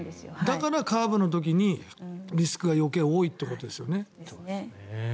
だからカーブの時にリスクが余計多いということですよね。